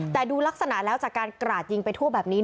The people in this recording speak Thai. แต่ดูลักษณะแล้วจากการกราดยิงไปทั่วแบบนี้